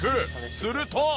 すると。